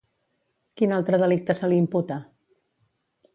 Quin altre delicte se li imputa?